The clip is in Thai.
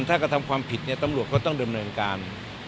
ถ้ากระทำความผิดเนี่ยตำรวจก็ต้องดำเนินการ